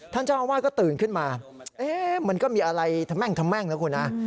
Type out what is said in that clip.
ท่านเจ้าอาวาสก็ตื่นขึ้นมาเหมือนก็มีอะไรทำแม่งนะคุณอา